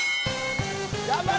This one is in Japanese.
頑張れ！